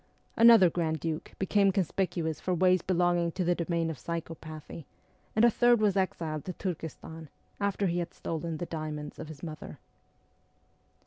Another grand duke became conspicuous for ways belonging to the domain of psychopathy ; and a third was exiled to Turkestan, after he had stolen the diamonds of his mother.